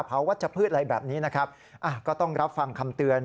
วัชพืชอะไรแบบนี้นะครับก็ต้องรับฟังคำเตือน